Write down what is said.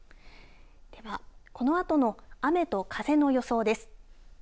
ではこのあとの雨と風の予想です。